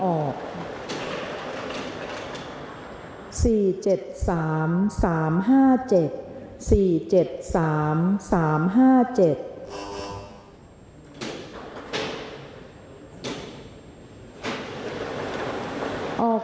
ออกรางวัลที่๓เลขที่ออก